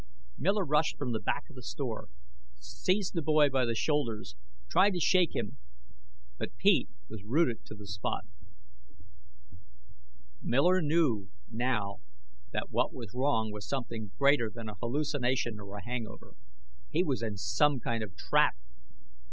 Miller rushed from the back of the store, seized the boy by the shoulders, tried to shake him. But Pete was rooted to the spot. Miller knew, now, that what was wrong was something greater than a hallucination or a hangover. He was in some kind of trap.